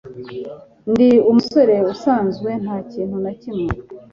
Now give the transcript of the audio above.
Ndi umusore usanzwe ntakintu nakimwe.